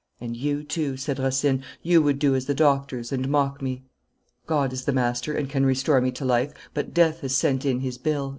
'And you, too,' said Racine, 'you would do as the doctors, and mock me? God is the Master, and can restore me to life, but Death has sent in his bill.